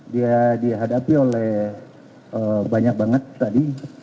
dia dihadapi oleh banyak banget tadi